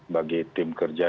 bagi tim kerja